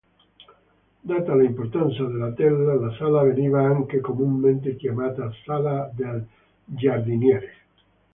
Data l'importanza della tela la sala veniva anche comunemente chiamata "Sala del Giardiniere".